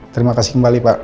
terima kasih kembali pak